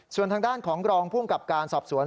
ส่วนทางด้านของรองภูมิกับการสอบสวน